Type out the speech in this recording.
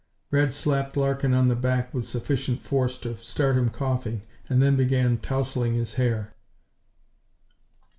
Red slapped Larkin on the back with sufficient force to start him coughing and then began tousling his hair.